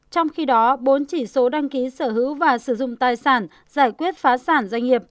trong khi đó bốn chỉ số đăng ký sở hữu và sử dụng tài sản giải quyết phá sản doanh nghiệp